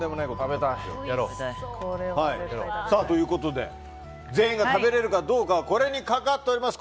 ということで全員が食べれるかどうかはこれにかかっております。